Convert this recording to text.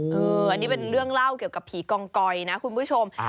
อันนี้เป็นเรื่องเล่าเกี่ยวกับผีกองกอยนะคุณผู้ชม